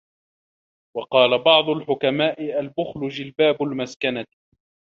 وَقَالَ بَعْضُ الْحُكَمَاءِ الْبُخْلُ جِلْبَابُ الْمَسْكَنَةِ